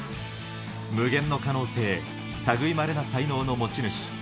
無限の可能性、たぐいまれな才能の持ち主。